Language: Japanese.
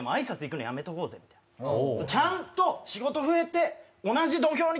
ちゃんと仕事増えて。